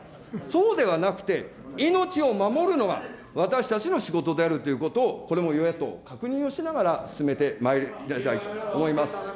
そうではなくて、命を守るのが私たちの仕事であるということを、これも与野党、確認をしながら進めてまいりたいと思います。